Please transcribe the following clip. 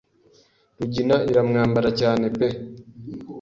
Rugina iramwambara cyane pe